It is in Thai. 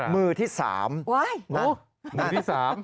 มือที่๓นั่นมือที่๓